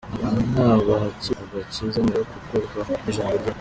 Aba ni abakiriye agakiza nyuma yo gukorwaho n'ijambo ry'Imana.